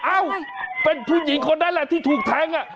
เอ้าเป็นผู้หญิงคนนั้นแหละที่ถูกแทง